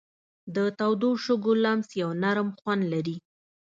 د تودو شګو لمس یو نرم خوند لري.